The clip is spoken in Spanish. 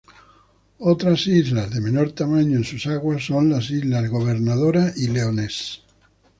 Otras islas, de menor tamaño en sus aguas, son las islas Gobernadora y Leones.